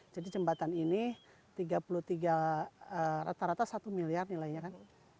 jembatan ini tiga puluh tiga rata rata satu miliar nilainya kan